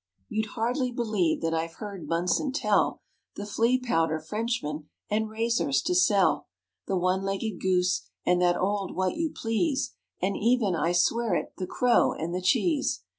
You'd hardly believe that I've heard Bunson tell The Flea Powder Frenchman and Razors to Sell, The One Legged Goose and that old What You Please And even, I swear it, The Crow and the Cheese.